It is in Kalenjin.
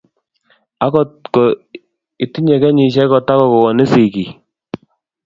Akot ko itinye kenyisiek kotago konin sigik